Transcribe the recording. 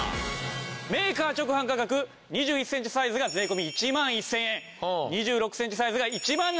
メーカー直販価格２１センチサイズが税込１万１０００円２６センチサイズが１万７６００円。